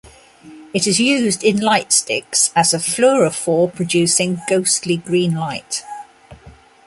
It is used in lightsticks as a fluorophor producing ghostly green light.